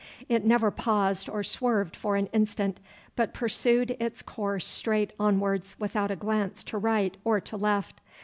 It never paused or swerved for an instant, but pursued its course straight onwards without a glance to right or to left.